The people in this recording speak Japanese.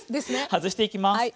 外していきます。